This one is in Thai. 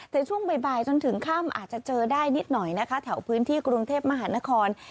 แต่ช่วงบ่ายจนถึงค่ำอาจจะเจอได้นิดหน่อยนะคะแถวพื้นที่กรุงเทพมหานคร